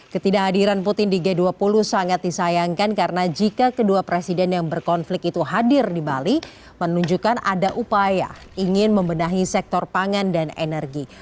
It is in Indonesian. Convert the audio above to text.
ketidakhadiran putin di g dua puluh sangat disayangkan karena jika kedua presiden yang berkonflik itu hadir di bali menunjukkan ada upaya ingin membenahi sektor pangan dan energi